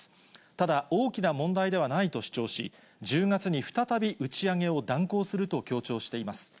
ただ、大きな問題ではないと主張し、１０月に再び打ち上げを断行すると強調しています。